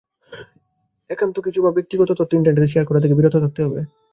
একান্ত কিছু বা ব্যক্তিগত তথ্য ইন্টারনেটে শেয়ার করা থেকে বিরত থাকতে হবে।